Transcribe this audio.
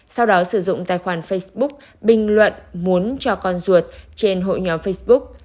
sau đó sử dụng tài khoản facebook bình luận muốn cho con ruột trên hội nhóm facebook